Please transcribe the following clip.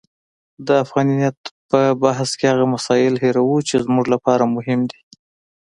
د افغانیت پر بحث کې هغه مسایل هیروو چې زموږ لپاره مهم دي.